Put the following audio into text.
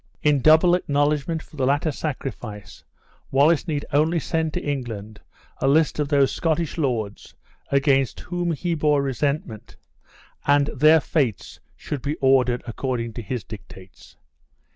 In double acknowledgment for the latter sacrifice Wallace need only send to England a list of those Scottish lords against whom he bore resentment, and their fates should be ordered according to his dictates.